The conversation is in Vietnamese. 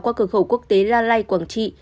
qua cửa khẩu quốc tế la lai quảng trị